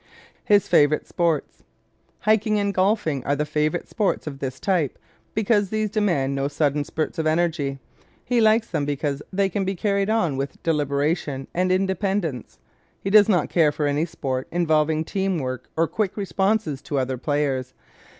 His Favorite Sports ¶ Hiking and golf are the favorite sports of this type because these demand no sudden spurts of energy. He likes them because they can be carried on with deliberation and independence. He does not care for any sport involving team work or quick responses to other players.